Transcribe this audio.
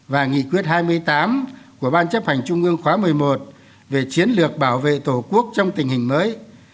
và nghị quyết hai mươi tám của ban chấp hành trung ương khóa một mươi một về chiến lược bảo vệ tổ quốc trong tình hình mới